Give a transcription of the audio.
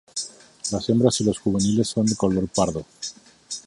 Las hembras y los juveniles son de color pardo.